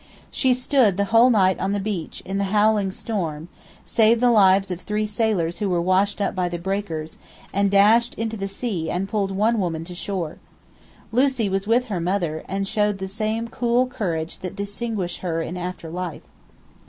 She stood the whole night on the beach in the howling storm, saved the lives of three sailors who were washed up by the breakers, and dashed into the sea and pulled one woman to shore. Lucie was with her mother, and showed the same cool courage that distinguished her in after life.